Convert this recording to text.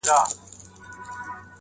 د اختلاف جرات وکړم